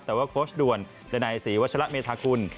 แต่ว่าโคชด่วนในสีวัชละเมธาคุณ